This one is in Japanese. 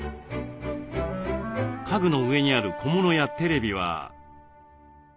家具の上にある小物やテレビは。